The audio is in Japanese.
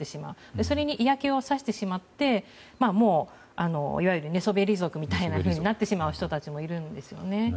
それに嫌気をさしてしまってもういわゆる寝そべり族みたいになってしまう人たちもいるんですよね。